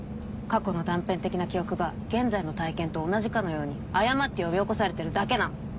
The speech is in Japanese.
過去の断片的な記憶が現在の体験と同じかのように誤って呼び起こされてるだけなの。